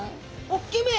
おっきめ！